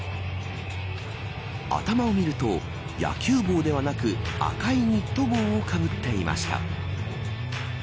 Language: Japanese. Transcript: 頭を見ると、野球帽ではなく赤いニット帽をかぶっていました。